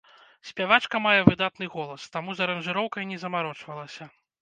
Спявачка мае выдатны голас, таму з аранжыроўкай не замарочвалася.